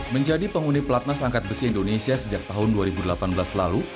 menjadi penghuni pelatnas angkat besi indonesia sejak tahun dua ribu delapan belas lalu